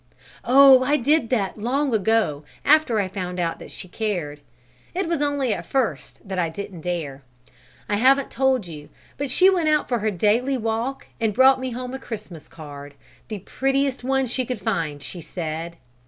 "Oh! I did that long ago, after I found out that she cared. It was only at first that I didn't dare. I haven't told you, but she went out for her daily walk and brought me home a Christmas card, the prettiest one she could find, she said.